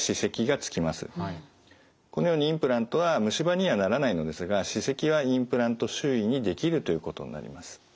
このようにインプラントは虫歯にはならないのですが歯石はインプラント周囲に出来るということになります。